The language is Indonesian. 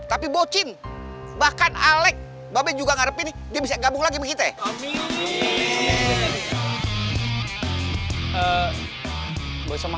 ayah aku mau ke sana